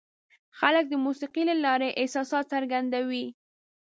خلک د موسیقۍ له لارې احساسات څرګندوي.